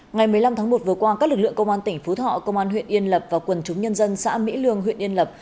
ngày một mươi năm tháng một vừa qua các lực lượng công an tỉnh phú thọ công an huyện yên lập và quần chúng nhân dân xã mỹ lương huyện yên lập